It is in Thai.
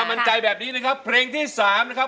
มั่นใจแบบนี้นะครับเพลงที่๓นะครับ